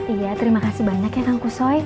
iya terima kasih banyak ya kang kusoi